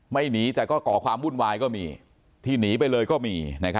หนีแต่ก็ก่อความวุ่นวายก็มีที่หนีไปเลยก็มี